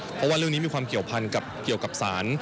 เพราะว่าเรื่องนี้มีความเกี่ยวพันกับเกี่ยวกับสาร